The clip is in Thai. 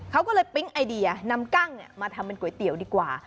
เขาก็เลยปิ๊งไอเดียนำกั้งมาทำเป็นก๋วยเตี๋ยวดีกว่า